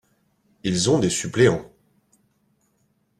Ils ont des suppléants.